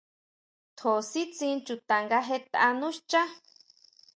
Tjó sitsín chuta nga jetʼa nú xchá.